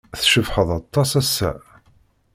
Tcebḥed aṭas ass-a.